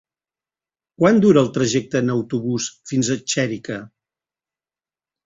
Quant dura el trajecte en autobús fins a Xèrica?